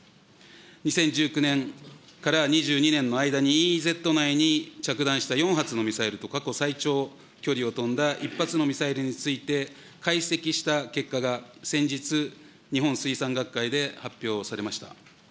２０１９年から２２年の間に、ＥＥＺ内に着弾した４発のミサイルと過去最長距離を飛んだ１発のミサイルについて、解析した結果が、先日、日本水産学会で発表されました。